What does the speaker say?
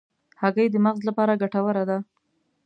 هګۍ د مغز لپاره ګټوره ده.